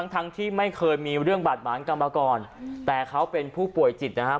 ทั้งที่ไม่เคยมีเรื่องบาดหมางกันมาก่อนแต่เขาเป็นผู้ป่วยจิตนะครับ